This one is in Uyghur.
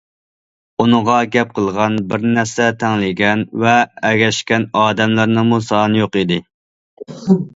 ئۇنىڭغا گەپ قىلغان، بىر نەرسە تەڭلىگەن ۋە ئەگەشكەن ئادەملەرنىڭمۇ سانى يوق ئىدى.